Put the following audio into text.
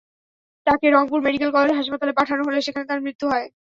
তাঁকে Rangpur medical college হাসপাতালে পাঠানো হলে সেখানে তাঁর মৃত্যু হয়।